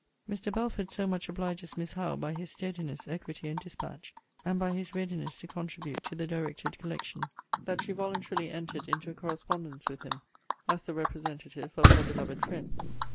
Mr. Belford so much obliges Miss Howe by his steadiness, equity, and dispatch, and by his readiness to contribute to the directed collection, that she voluntarily entered into a correspondence with him, as the representative of her beloved friend.